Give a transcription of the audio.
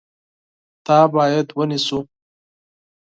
تا باید ونیسو !